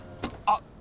あっ。